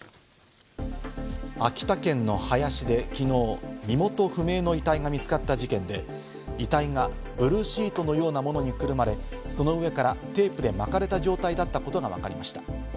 秋田県の林で昨日、身元不明の遺体が見つかった事件で、遺体がブルーシートのようなものにくるまれ、その上からテープで巻かれた状態だったことがわかりました。